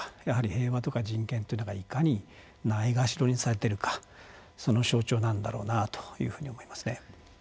やはり平和とか人権というのがいかにないがしろにされているかその象徴なんだろうなと思いますね。